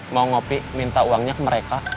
mau ngopi minta uangnya ke mereka